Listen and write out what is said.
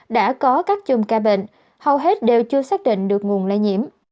đã có các chùm ca bệnh hầu hết đều chưa xác định được nguồn lây nhiễm